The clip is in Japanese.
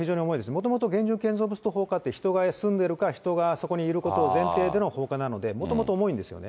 もともと現状建造物放火って、人が住んでいるか人がそこにいることを前提での放火なので、もともと重いんですよね。